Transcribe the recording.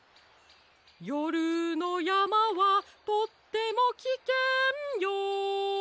「よるのやまはとってもきけんよ」